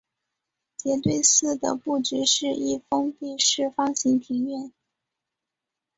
杰堆寺的布局是一封闭式方形庭院。